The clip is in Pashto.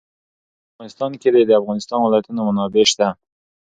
په افغانستان کې د د افغانستان ولايتونه منابع شته.